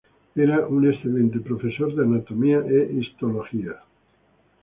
Era un excelente profesor de anatomía e histología.